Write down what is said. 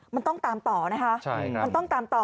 มันต้องตามต่อนะคะมันต้องตามต่อ